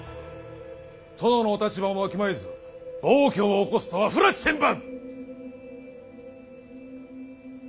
殿のお立場もわきまえず暴挙を起こすとは不埒千万！